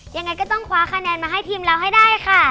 ยังไงก็ต้องคว้าคะแนนมาให้ทีมเราให้ได้ค่ะ